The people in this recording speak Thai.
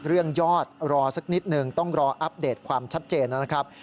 ยอดรอสักนิดนึงต้องรออัปเดตความชัดเจนนะครับ